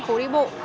phố đi bộ